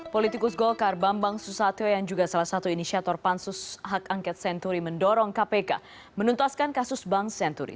politikus golkar bambang susatyo yang juga salah satu inisiator pansus hak angket senturi mendorong kpk menuntaskan kasus bank senturi